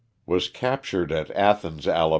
Was captured at Athens, Ala.